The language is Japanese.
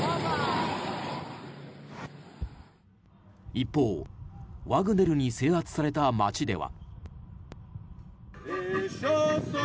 一方ワグネルに制圧された街では。